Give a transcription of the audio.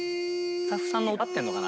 スタッフさんの音合ってんのかな？